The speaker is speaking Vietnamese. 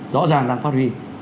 rõ ràng đang phát huy